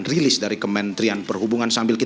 saya mungkin sedikit terkait dengan apa yang sudah diberikan